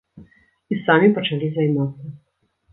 І самі пачалі займацца.